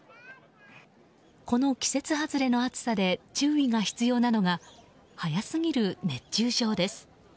この季節外れの暑さで注意が必要なのが早すぎる熱中症です。